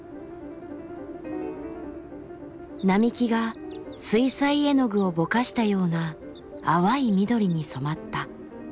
並木が水彩絵の具をぼかしたような淡い緑に染まった。